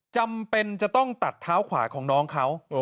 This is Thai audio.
จำเป็นจะต้องตัดเท้าขวาของน้องเขา